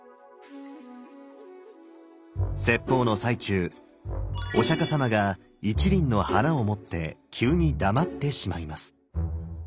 説法の最中お釈様が一輪の花を持って急に黙ってしまいます。